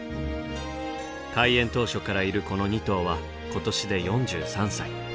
開園当初からいるこの２頭は今年で４３歳。